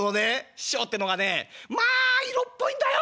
師匠ってのがねまあ色っぽいんだよ。